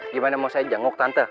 gimana mau saya jenguk tante